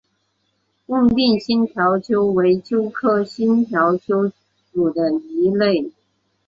孟定新条鳅为鳅科新条鳅属的鱼类。